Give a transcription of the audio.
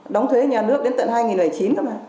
đóng thuế nhà nước đến tận hai nghìn một mươi chín thôi mà